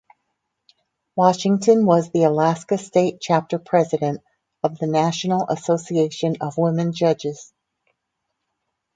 Washington was the Alaska state chapter president of the National Association of Women Judges.